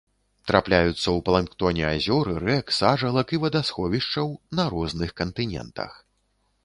Тапляюцца ў планктоне азёр, рэк, сажалак і вадасховішчаў на розных кантынентах.